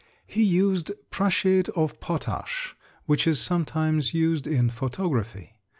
He used prussiate of potash which is sometimes used in photography.